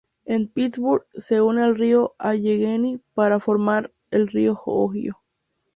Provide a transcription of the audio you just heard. En Pittsburgh, se une al río Allegheny para formar el río Ohio.